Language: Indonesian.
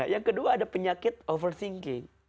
yang kedua ada penyakit overthinking